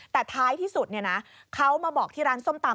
แต่ท้ายที่สุดเขามาบอกที่ร้านส้มตำ